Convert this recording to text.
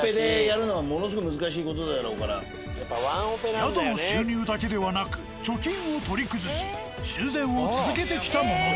なかなか宿の収入だけではなく貯金を取り崩し修繕を続けてきたものの。